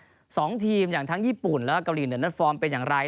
สองทีมอย่างทั้งญี่ปุ่นแล้วก็เกาหลีเหนือนั้นฟอร์มเป็นอย่างไร